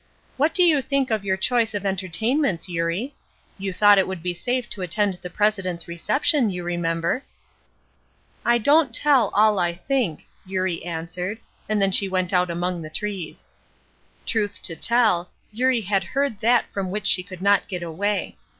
What do you think of your choice of entertainments, Eurie? You thought it would be safe to attend the president's reception, you remember." "I don't tell all I think," Eurie answered, and then she went out among the trees. Truth to tell, Eurie had heard that from which she could not get away.